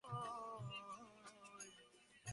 তুমি এইমাত্র দেখা কারো সাথে বিয়েতে বসেছো?